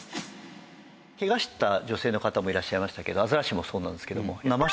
ケガした女性の方もいらっしゃいましたけどアザラシもそうなんですけども生食で食べてるじゃないですか。